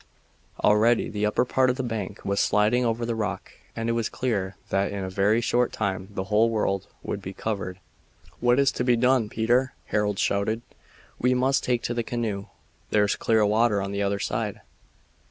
Already the upper part of the bank was sliding over the rock, and it was clear that in a very short time the whole would be covered. "What is to be done, Peter?" Harold shouted. "We must take to the canoe. There's clear water on the other side."